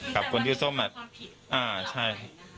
กับคนชื่อส้มใช่